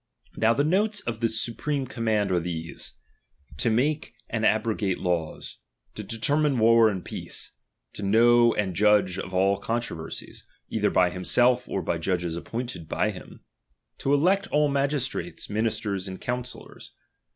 Now the notes of supreme command are these : to make chap. vi. and abrogate laws, to determine war and peace, ^^'' to know and judge of all controversies, either by faimself, or by judges appointed by him; to elect all magistrates, ministers, and counsellors.